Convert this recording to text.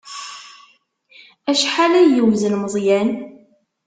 Acḥal ay yewzen Meẓyan?